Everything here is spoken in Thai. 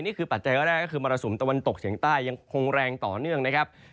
ปัจจัยแรกก็คือมรสุมตะวันตกเฉียงใต้ยังคงแรงต่อเนื่องนะครับ